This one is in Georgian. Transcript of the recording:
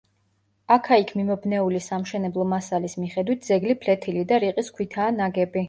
აქა-იქ მიმობნეული სამშენებლო მასალის მიხედვით, ძეგლი ფლეთილი და რიყის ქვითაა ნაგები.